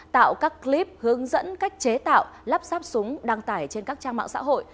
tạo các clip hướng dẫn cách chế tạo lắp sáp súng đăng tải trên các trang mạng xã hội